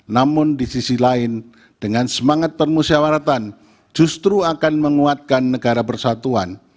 namun di sisi lain dengan semangat permusyawaratan justru akan menguatkan negara persatuan